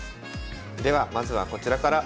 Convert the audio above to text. ではまずはこちらから。